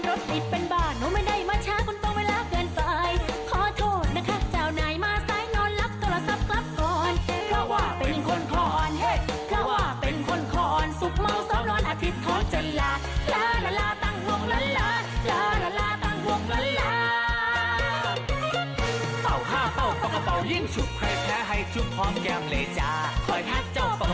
ทางใครทางมัน